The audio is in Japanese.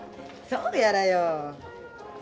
そうやらよ。